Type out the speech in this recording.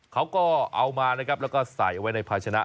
เขาก็เอามาแล้วก็ใส่ไว้ในภาชนะ